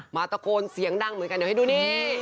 มาตะโกนเสียงดังเหมือนกันเดี๋ยวให้ดูนี่